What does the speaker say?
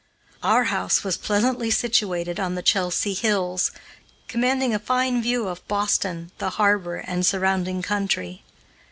Our house was pleasantly situated on the Chelsea Hills, commanding a fine view of Boston, the harbor, and surrounding country.